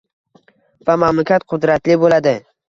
Va mamlakat qudratli bo‘ladi.